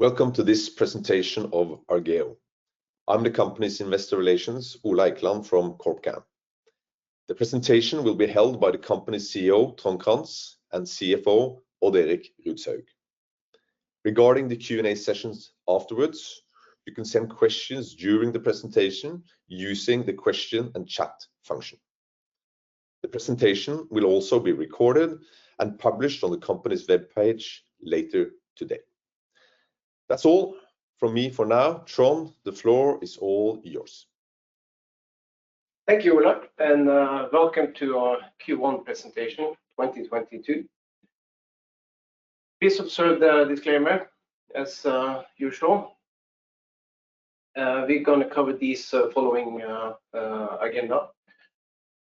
Welcome to this presentation of Argeo. I'm the company's investor relations, Ola Eikeland from CorpCom. The presentation will be held by the company CEO, Trond Crantz, and CFO, Odd Erik Rudshaug. Regarding the Q&A sessions afterwards, you can send questions during the presentation using the question and chat function. The presentation will also be recorded and published on the company's webpage later today. That's all from me for now. Trond, the floor is all yours. Thank you, Ola, and welcome to our Q1 presentation 2022. Please observe the disclaimer as usual. We're gonna cover the following agenda. A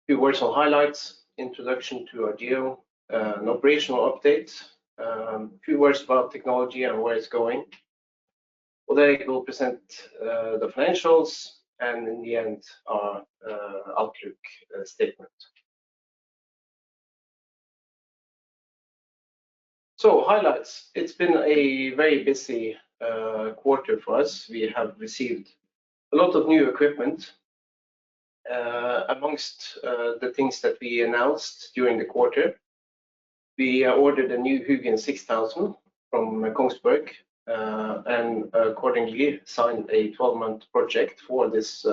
few words on highlights, introduction to Argeo, an operational update, a few words about technology and where it's going. Odd Erik will present the financials, and in the end, our outlook statement. Highlights. It's been a very busy quarter for us. We have received a lot of new equipment. Among the things that we announced during the quarter, we ordered a new Hugin 6000 from Kongsberg, and accordingly signed a 12-month project for this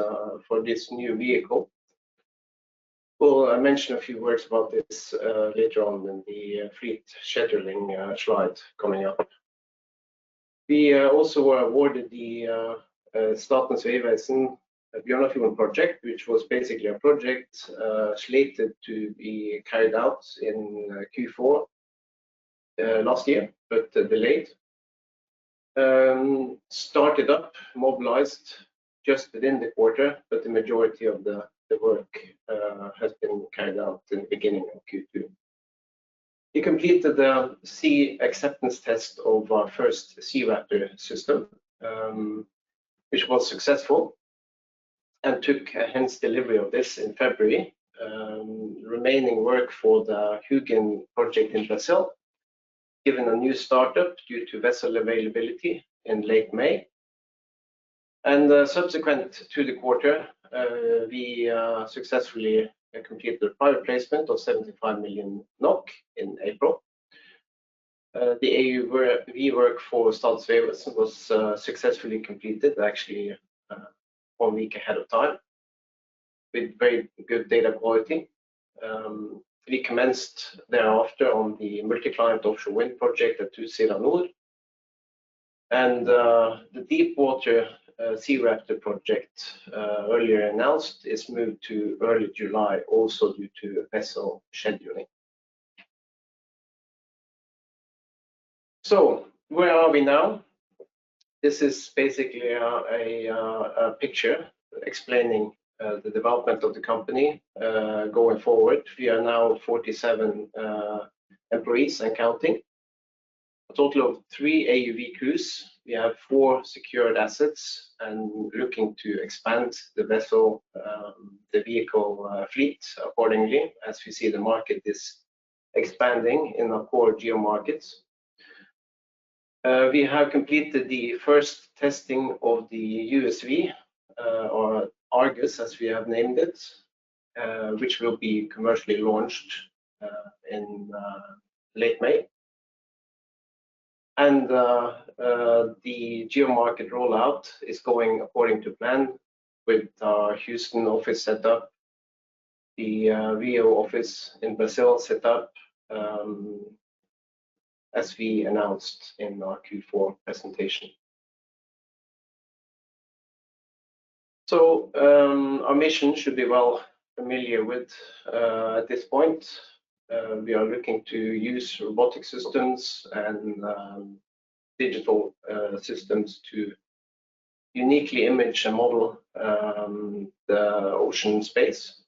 new vehicle. Well, I'll mention a few words about this later on in the fleet scheduling slide coming up. We also were awarded the Statens Vegvesen Bjørnafjorden project, which was basically a project slated to be carried out in Q4 last year, but delayed. Started up, mobilized just within the quarter, but the majority of the work has been carried out in the beginning of Q2. We completed the sea acceptance test of our first SeaRaptor system, which was successful and took delivery of this in February. Remaining work for the Hugin project in Brazil, given a new startup due to vessel availability in late May. Subsequent to the quarter, we successfully completed private placement of NOK 75 million in April. The AUV work for Statens Vegvesen was successfully completed, actually, one week ahead of time with very good data quality. We commenced thereafter on the multi-client offshore wind project at Utsira Nord. The deep water SeaRaptor project, earlier announced, is moved to early July also due to vessel scheduling. Where are we now? This is basically a picture explaining the development of the company going forward. We are now 47 employees and counting. A total of three AUV crews. We have four secured assets and looking to expand the vessel, the vehicle fleet accordingly. As you see, the market is expanding in our core geo markets. We have completed the first testing of the USV, or Argus, as we have named it, which will be commercially launched in late May. The Argeo market rollout is going according to plan with our Houston office set up, the Rio office in Brazil set up, as we announced in our Q4 presentation. Our mission you should be well familiar with at this point. We are looking to use robotic systems and digital systems to uniquely image and model the ocean space.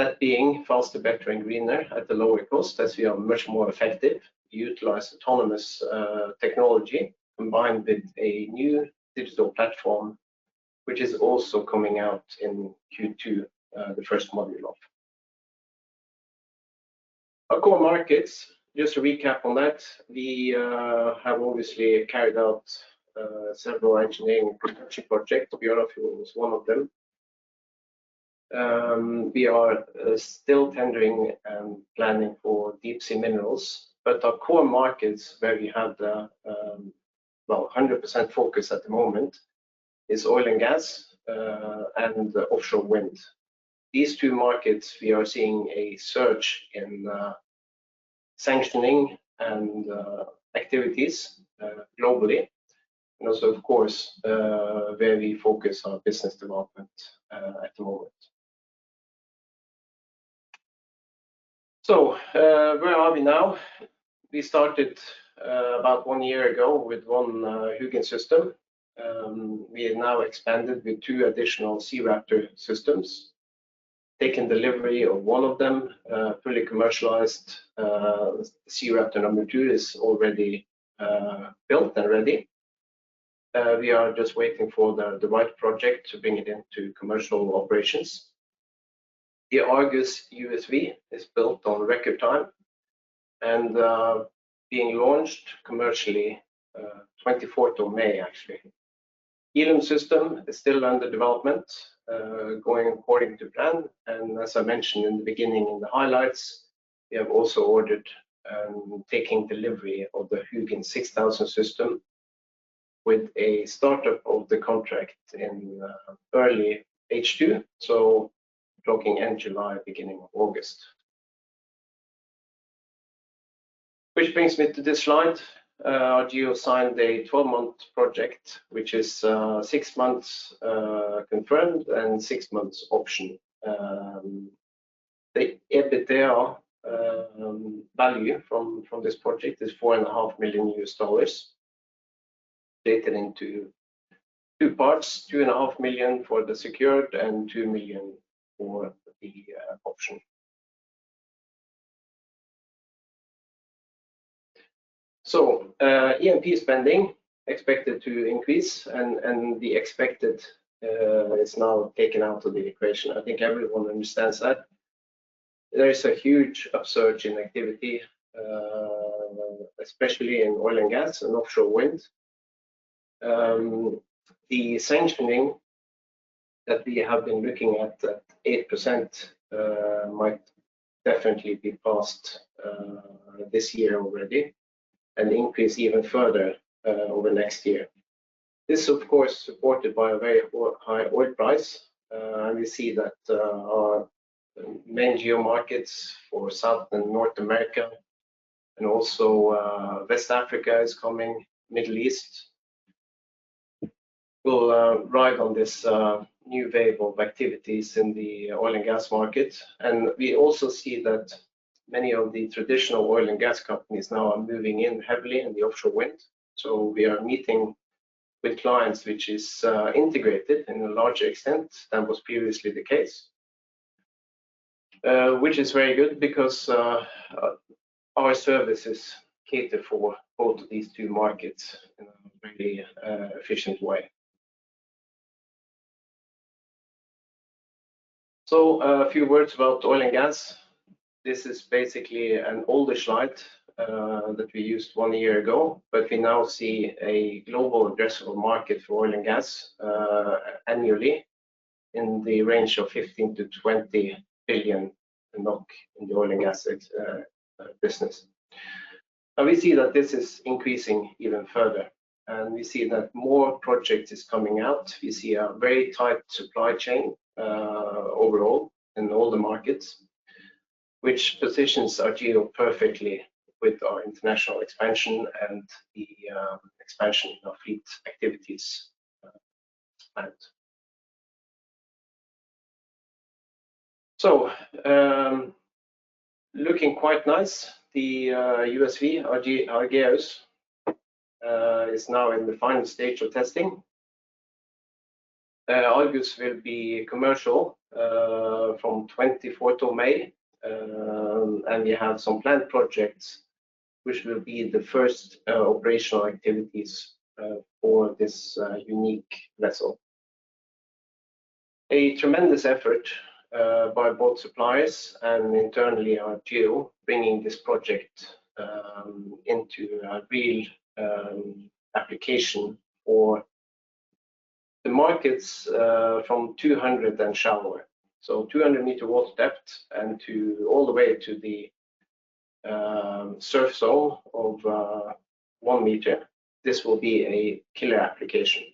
That being faster, better and greener at a lower cost as we are much more effective utilizing autonomous technology combined with a new digital platform, which is also coming out in Q2, the first module of. Our core markets, just to recap on that, we have obviously carried out several engineering and construction projects. Bjørnafjorden was one of them. We are still tendering and planning for deep-sea minerals. Our core markets where we have the, well, 100% focus at the moment is oil and gas, and offshore wind. These two markets, we are seeing a surge in sanctioning and activities globally, and also of course where we focus our business development at the moment. Where are we now? We started about one year ago with one Hugin system. We have now expanded with two additional SeaRaptor systems. Taken delivery of one of them, fully commercialized. SeaRaptor number two is already built and ready. We are just waiting for the right project to bring it into commercial operations. The Argus USV is built in record time and being launched commercially 24th of May, actually. Eelume system is still under development, going according to plan. As I mentioned in the beginning in the highlights, we have also ordered and taking delivery of the Hugin 6000 system with a startup of the contract in early H2. Talking end July, beginning of August. Which brings me to this slide. Argeo signed a 12-month project, which is six months confirmed and six months option. The EBITDA value from this project is $4.5 million, divided into two parts, $2.5 million for the secured and $2 million for the option. E&P spending expected to increase and the capex is now taken out of the equation. I think everyone understands that. There is a huge upsurge in activity, especially in oil and gas and offshore wind. The sanctioning that we have been looking at, 8%, might definitely be passed this year already and increase even further over next year. This, of course, supported by a very high oil price. We see that our main geo markets for South and North America and also West Africa is coming, Middle East, will ride on this new wave of activities in the oil and gas market. We also see that many of the traditional oil and gas companies now are moving in heavily in the offshore wind. We are meeting with clients which is integrated in a larger extent than was previously the case, which is very good because our services cater for both these two markets in a really efficient way. A few words about oil and gas. This is basically an older slide that we used one year ago, but we now see a global addressable market for oil and gas annually in the range of 15 billion to 20 billion in the oil and gas business. We see that this is increasing even further. We see that more projects is coming out. We see a very tight supply chain overall in all the markets, which positions Argeo perfectly with our international expansion and the expansion of our fleet activities. Looking quite nice. The USV, Argus, is now in the final stage of testing. Argus will be commercial from 24th of May. We have some planned projects, which will be the first operational activities for this unique vessel. A tremendous effort by both suppliers and internally Argeo bringing this project into a real application for the markets from 200 and shallower. 200 m water depth and all the way to the surf zone of 1 m. This will be a killer application.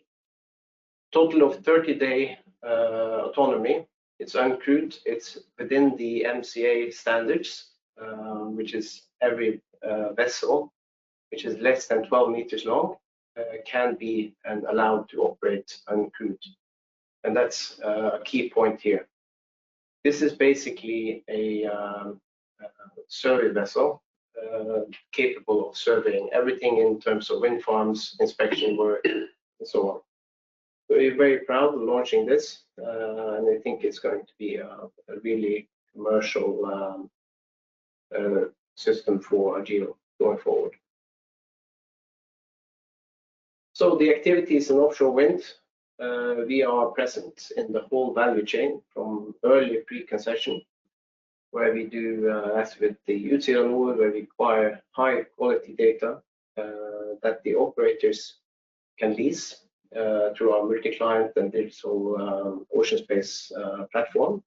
Total of 30-day autonomy. It's uncrewed. It's within the MCA standards, which is every vessel which is less than 12 m long can be allowed to operate uncrewed. That's a key point here. This is basically a survey vessel capable of surveying everything in terms of wind farms, inspection work and so on. We're very proud of launching this. I think it's going to be a really commercial system for Argeo going forward. The activities in offshore wind, we are present in the whole value chain from early pre-concession where we do, as with the multi-client model, where we acquire high quality data that the operators can lease through our multi-client and also Ocean Space platform.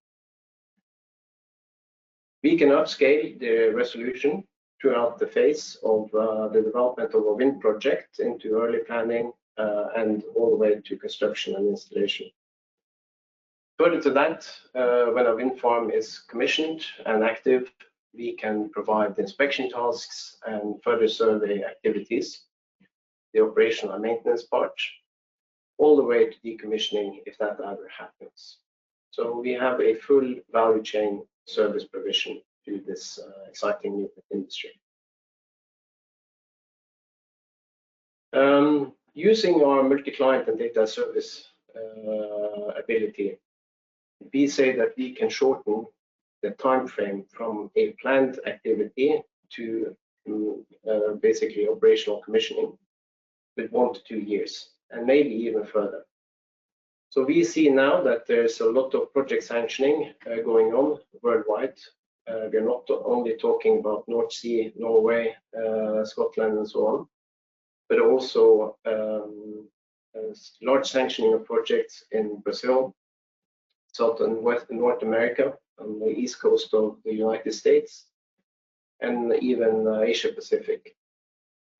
We can upscale the resolution throughout the phase of the development of a wind project into early planning and all the way to construction and installation. Further to that, when a wind farm is commissioned and active, we can provide inspection tasks and further survey activities, the operational maintenance part, all the way to decommissioning if that ever happens. We have a full value chain service provision to this exciting new industry. Using our multi-client and data service ability, we say that we can shorten the timeframe from a planned activity to basically operational commissioning. By one to two years and maybe even further. We see now that there's a lot of project sanctioning going on worldwide. We are not only talking about North Sea, Norway, Scotland and so on, but also large sanctioning of projects in Brazil, North America, on the east coast of the United States, and even Asia Pacific.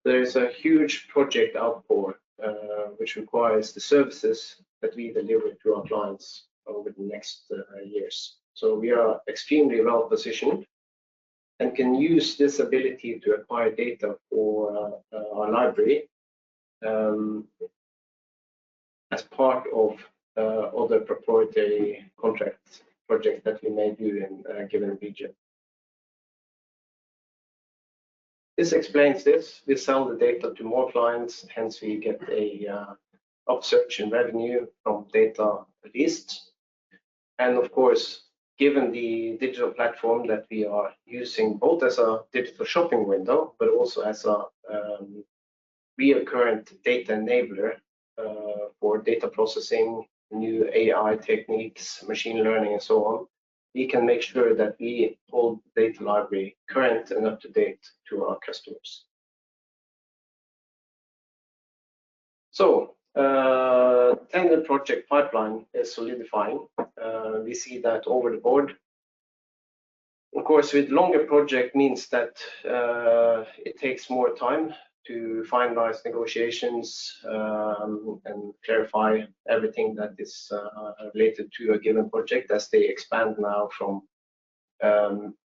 There is a huge project outpour which requires the services that we deliver to our clients over the next years. We are extremely well-positioned and can use this ability to acquire data for our library as part of other proprietary contracts, projects that we may do in a given region. This explains this. We sell the data to more clients, hence we get an upsurge in revenue from data released. Of course, given the digital platform that we are using both as a digital shopping window but also as a recurring data enabler for data processing, new AI techniques, machine learning and so on, we can make sure that we hold the data library current and up to date to our customers. Tender project pipeline is solidifying. We see that across the board. Of course, with longer project means that it takes more time to finalize negotiations and clarify everything that is related to a given project as they expand now from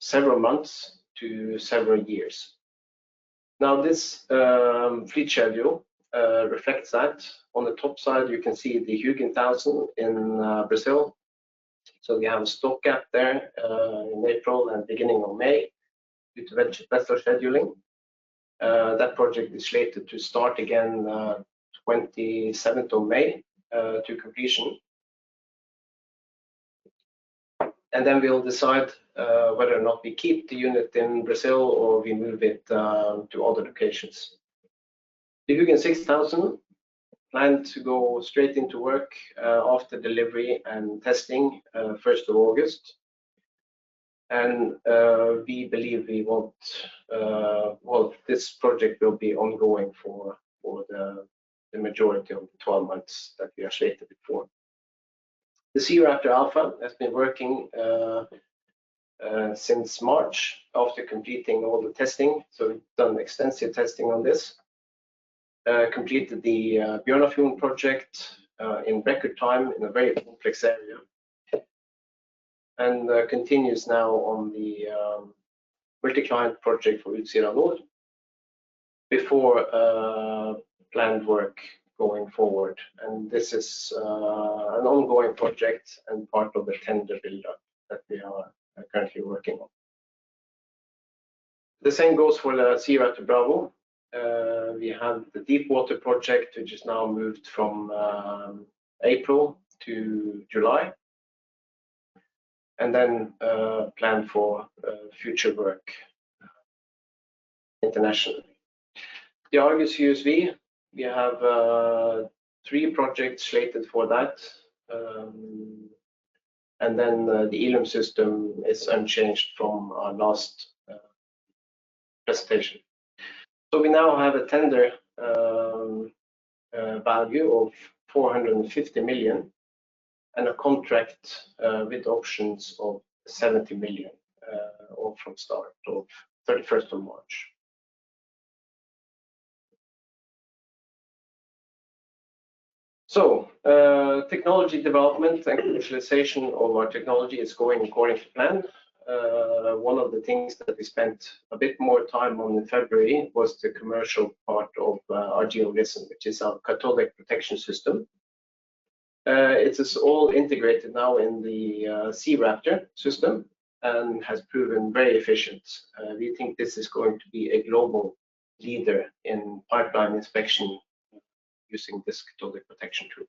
several months to several years. Now this fleet schedule reflects that. On the top side, you can see the Hugin 1000 in Brazil. We have a stop gap there in April and beginning of May due to vendor scheduling. That project is slated to start again, 27th of May, to completion. Then we'll decide whether or not we keep the unit in Brazil or we move it to other locations. The Hugin 6000 planned to go straight into work after delivery and testing, 1st of August. This project will be ongoing for the majority of the 12 months that we are slated for. The SeaRaptor Alpha has been working since March after completing all the testing. We've done extensive testing on this. Completed the Bjørnafjorden project in record time in a very complex area. Continues now on the multi-client project for Utsira Nord before planned work going forward. This is an ongoing project and part of the tender build-up that we are currently working on. The same goes for the SeaRaptor Bravo. We have the deep water project, which has now moved from April to July. Plan for future work internationally. The Argus USV, we have three projects slated for that. The Eelume system is unchanged from our last presentation. We now have a tender value of 450 million and a contract with options of 70 million, all from start of 31st of March. Technology development and commercialization of our technology is going according to plan. One of the things that we spent a bit more time on in February was the commercial part of our Argeo Whisper, which is our cathodic protection system. It is all integrated now in the SeaRaptor system and has proven very efficient. We think this is going to be a global leader in pipeline inspection using this cathodic protection tool.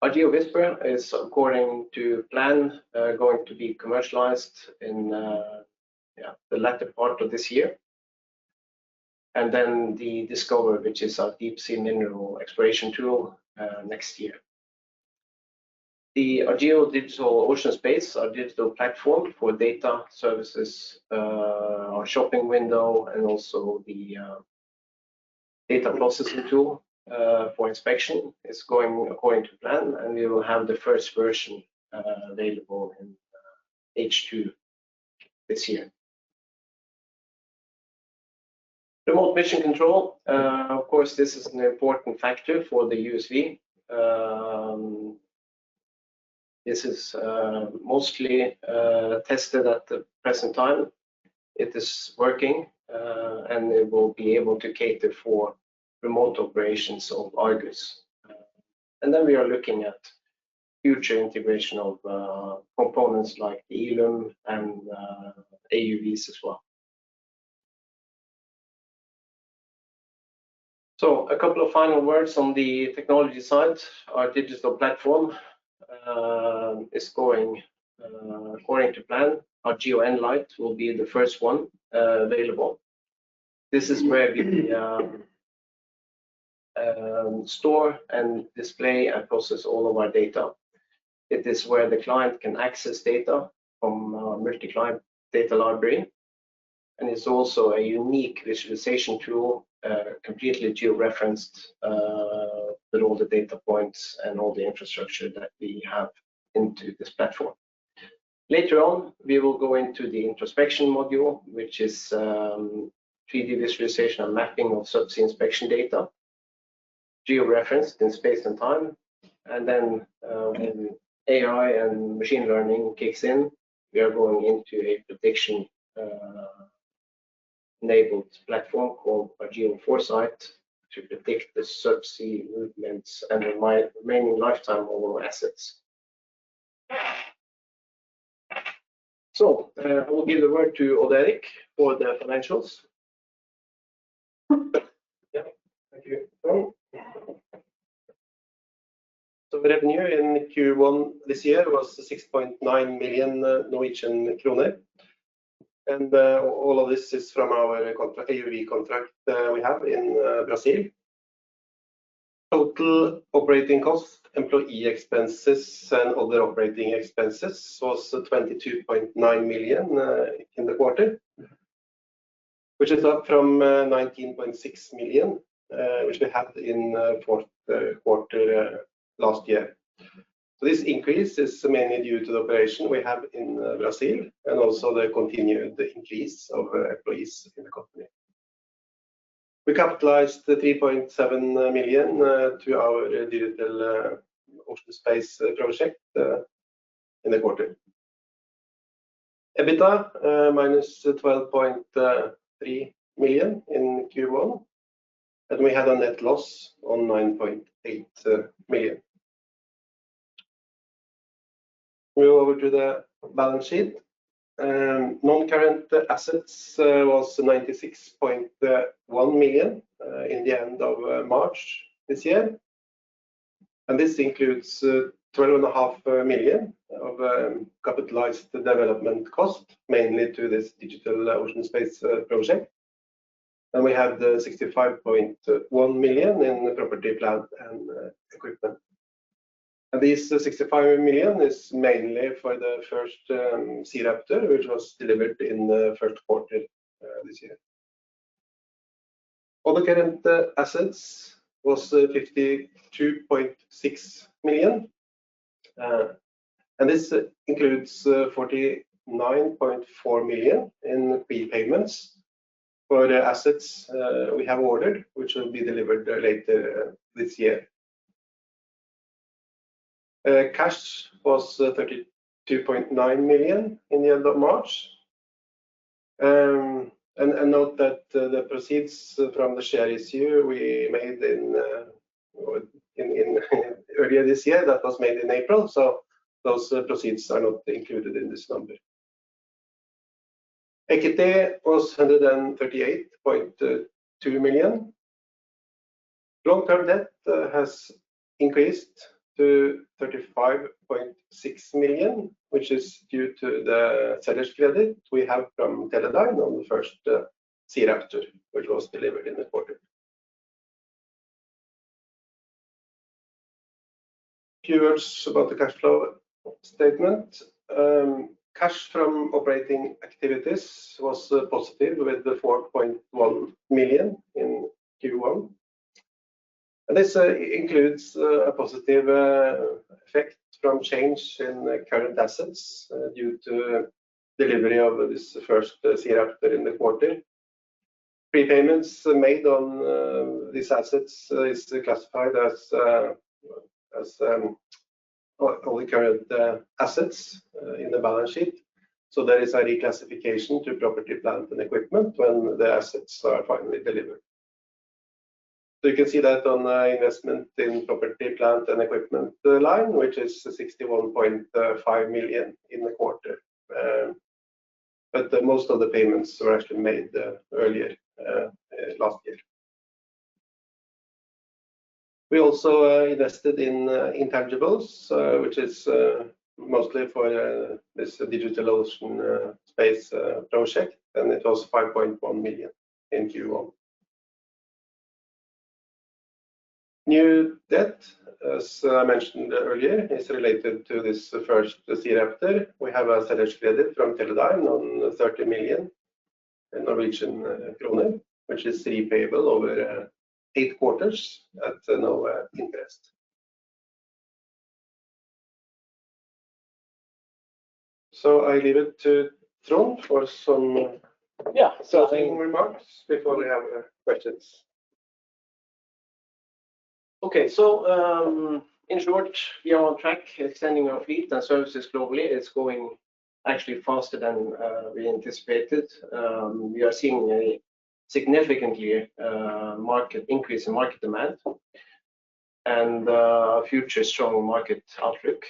Our Argeo Whisper is, according to plan, going to be commercialized in the latter part of this year. The Argeo Discover, which is our deep sea mineral exploration tool, next year. The Argeo Digital Ocean Space, our digital platform for data services, our shopping window and also the data processing tool for inspection is going according to plan, and we will have the first version available in H2 this year. Remote mission control, of course, this is an important factor for the USV. This is mostly tested at the present time. It is working, and it will be able to cater for remote operations of Argus. We are looking at future integration of components like Eelume and AUVs as well. A couple of final words on the technology side, our digital platform is going according to plan. Argeo Enlight will be the first one available. This is where we store and display and process all of our data. It is where the client can access data from our multi-client data library. It's also a unique visualization tool, completely geo-referenced, with all the data points and all the infrastructure that we have into this platform. Later on, we will go into the introspection module, which is three-dimensional visualization and mapping of subsea inspection data, geo-referenced in space and time. When AI and machine learning kicks in, we are going into a prediction enabled platform called Argeo Foresight to predict the subsea movements and the remaining lifetime of our assets. I will give the word to Odd Erik for the financials. Yeah. Thank you, Trond. Revenue in Q1 this year was 6.9 million Norwegian kroner. All of this is from our contract, AUV contract, we have in Brazil. Total operating cost, employee expenses, and other operating expenses was 22.9 million in the quarter, which is up from 19.6 million, which we had in Q4 last year. This increase is mainly due to the operation we have in Brazil and also the continued increase of employees in the company. We capitalized 3.7 million to our Digital Ocean Space project in the quarter. EBITDA minus 12.3 million in Q1, and we had a net loss on NOK 9.8 million. We go over to the balance sheet. Non-current assets was 96.1 million in the end of March this year, and this includes 12.5 million of capitalized development cost, mainly to this Digital Ocean Space project. We have the 65.1 million in property, plant and equipment. This 65 million is mainly for the first SeaRaptor, which was delivered in the Q1 this year. All the current assets was 52.6 million, and this includes 49.4 million in prepayments for the assets we have ordered, which will be delivered later this year. Cash was 32.9 million in the end of March. And note that the proceeds from the share issue we made in earlier this year, that was made in April. Those proceeds are not included in this number. Equity was 138.2 million. Long-term debt has increased to 35.6 million, which is due to the seller's credit we have from Teledyne on the first SeaRaptor, which was delivered in the quarter. Few words about the cash flow statement. Cash from operating activities was positive with the 4.1 million in Q1. This includes a positive effect from change in current assets due to delivery of this first SeaRaptor in the quarter. Prepayments made on these assets is classified as all the current assets in the balance sheet. There is a reclassification to property, plant and equipment when the assets are finally delivered. You can see that on the investment in property, plant, and equipment line, which is 61.5 million in the quarter. Most of the payments were actually made earlier last year. We also invested in intangibles, which is mostly for this Digital Ocean Space project, and it was 5.1 million in Q1. New debt, as I mentioned earlier, is related to this first SeaRaptor. We have a seller's credit from Teledyne on 30 million, which is repayable over eight quarters at no interest. I leave it to Trond for some- Yeah. Closing remarks before we have questions. Okay. In short, we are on track extending our fleet and services globally. It's going actually faster than we anticipated. We are seeing a significant increase in market demand and future strong market outlook.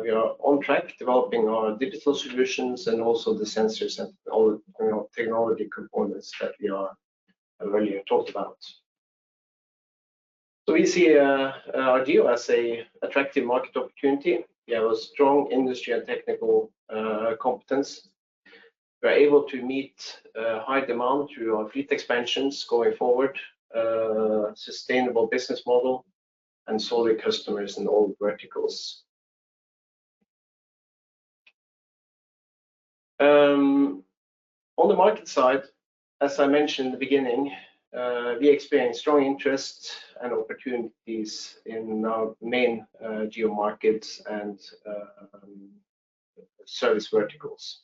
We are on track developing our digital solutions and also the sensors and all, you know, technology components that we earlier talked about. We see Argeo as an attractive market opportunity. We have a strong industry and technical competence. We're able to meet high demand through our fleet expansions going forward, sustainable business model, and solid customers in all verticals. On the market side, as I mentioned in the beginning, we experienced strong interest and opportunities in our main Argeo markets and service verticals.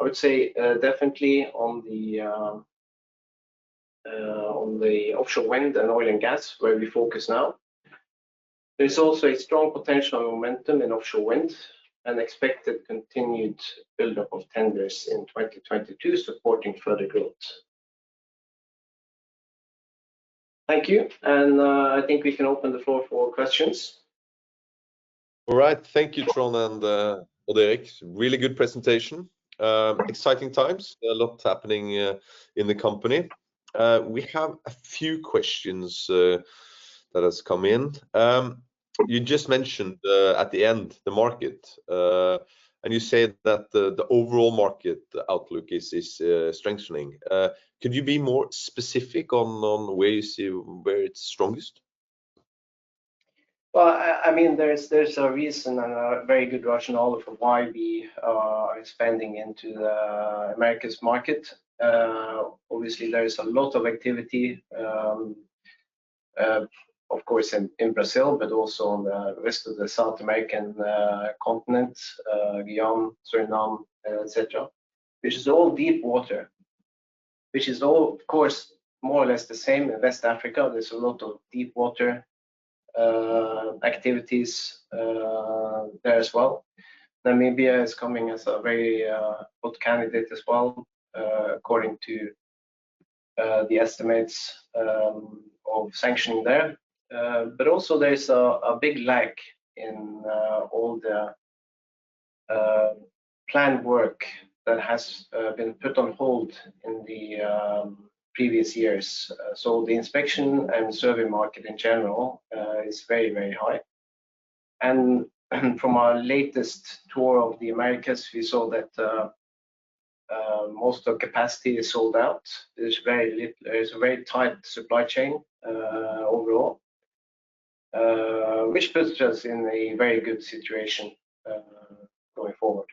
I would say, definitely on the offshore wind and oil and gas, where we focus now, there's also a strong potential momentum in offshore wind and expected continued buildup of tenders in 2022 supporting further growth. Thank you, and I think we can open the floor for questions. All right. Thank you, Trond and Odd Erik. Really good presentation. Exciting times. There are a lot happening in the company. We have a few questions that has come in. You just mentioned at the end, the market, and you said that the overall market outlook is strengthening. Could you be more specific on where you see where it's strongest? I mean, there's a reason and a very good rationale for why we are expanding into the Americas market. Obviously there is a lot of activity, of course, in Brazil but also on the rest of the South American continent, Guyana, Suriname, et cetera, which is all deep water, which is all, of course, more or less the same in West Africa. There's a lot of deep water activities there as well. Namibia is coming as a very good candidate as well, according to the estimates of sanctioning there. Also there is a big lack of all the planned work that has been put on hold in the previous years. The inspection and survey market in general is very high. From our latest tour of the Americas, we saw that most of capacity is sold out. There's a very tight supply chain overall, which puts us in a very good situation going forward.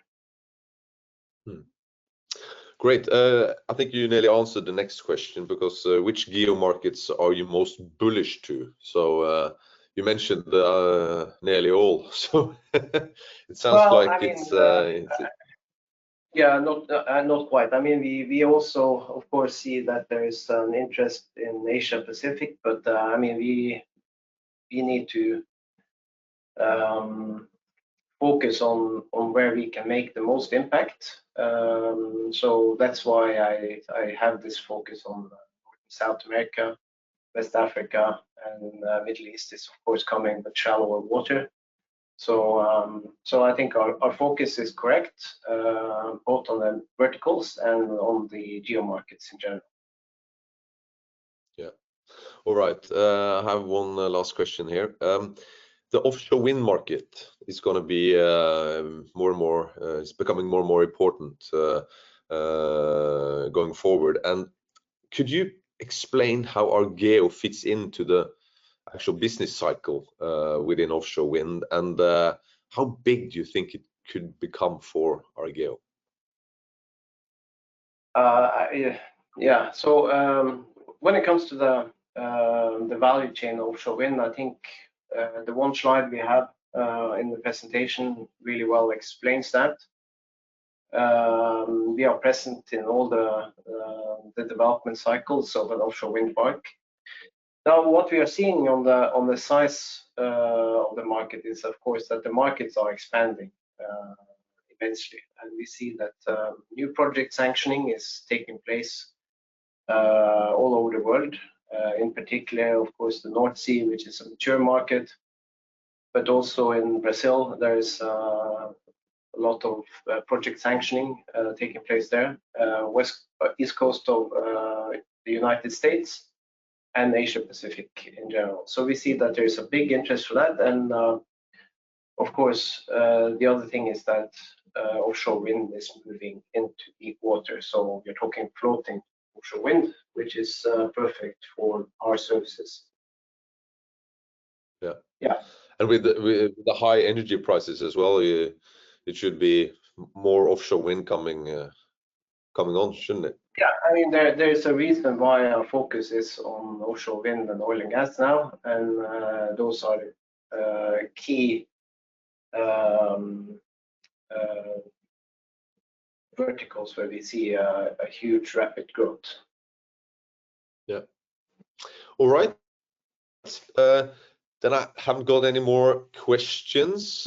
Great. I think you nearly answered the next question because, which geo markets are you most bullish to? So, you mentioned nearly all, so it sounds like it's. Well, I mean, yeah, not quite. I mean, we also of course see that there is an interest in Asia Pacific, but I mean, we need to focus on where we can make the most impact. That's why I have this focus on South America, West Africa, and Middle East is of course coming with shallower water. I think our focus is correct both on the verticals and on the geo markets in general. Yeah. All right. I have one last question here. The offshore wind market is becoming more and more important going forward, and could you explain how Argeo fits into the actual business cycle within offshore wind and how big do you think it could become for Argeo? When it comes to the value chain offshore wind, I think the one slide we have in the presentation really well explains that. We are present in all the development cycles of an offshore wind farm. Now, what we are seeing on the size of the market is, of course, that the markets are expanding eventually. We see that new project sanctioning is taking place all over the world, in particular, of course, the North Sea, which is a mature market, but also in Brazil, there is a lot of project sanctioning taking place there, west east coast of the United States and Asia Pacific in general. We see that there is a big interest for that. Of course, the other thing is that offshore wind is moving into deep water. You're talking floating offshore wind, which is perfect for our services. Yeah. Yeah. With the high energy prices as well, it should be more offshore wind coming on, shouldn't it? Yeah. I mean, there is a reason why our focus is on offshore wind and oil and gas now, and those are key verticals where we see a huge rapid growth. Yeah. All right. I haven't got any more questions.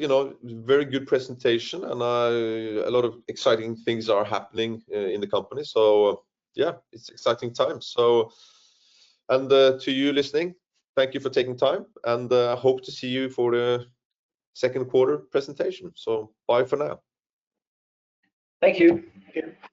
You know, very good presentation, and a lot of exciting things are happening in the company. Yeah, it's exciting times. To you listening, thank you for taking time, and I hope to see you for the Q2 presentation. Bye for now. Thank you.